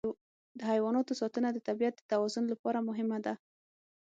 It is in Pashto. د حیواناتو ساتنه د طبیعت د توازن لپاره مهمه ده.